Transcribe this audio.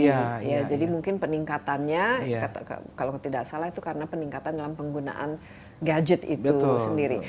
iya jadi mungkin peningkatannya kalau tidak salah itu karena peningkatan dalam penggunaan gadget itu sendiri